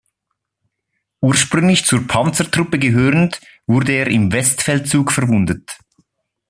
Ursprünglich zur Panzertruppe gehörend, wurde er im Westfeldzug verwundet.